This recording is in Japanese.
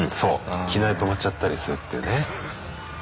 いきなり止まっちゃったりするっていうね。